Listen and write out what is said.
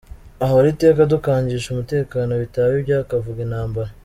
Ahora iteka adukangisha umutekano, bitaba ibyo akavuga intambara.